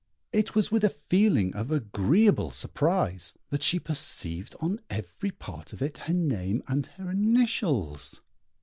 It was with a feeling of agreeable surprise that she perceived in every part of it her name and her initials.